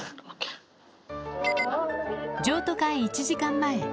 譲渡会１時間前。